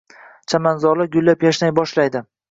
Chamanzorlar gullab-yashnay boshlaydi.